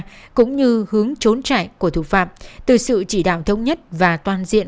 điều tra cũng như hướng trốn chạy của thủ phạm từ sự chỉ đạo thống nhất và toàn diện